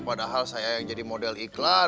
padahal saya yang jadi model iklan